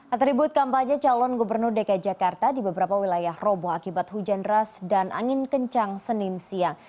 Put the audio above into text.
atribut kampanye calon gubernur dki jakarta di beberapa wilayah roboh akibat hujan deras dan angin kencang senin siang